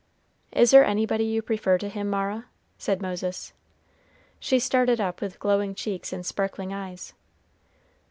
"Is there anybody you prefer to him, Mara?" said Moses. She started up with glowing cheeks and sparkling eyes.